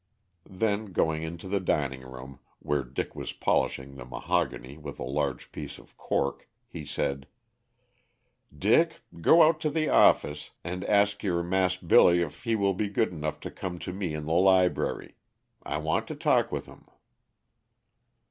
Then going into the dining room, where Dick was polishing the mahogany with a large piece of cork, he said: "Dick, go out to the office and ask your Mas' Billy if he will be good enough to come to me in the library. I want to talk with him."